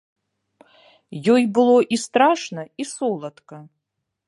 Ёй было і страшна, і соладка.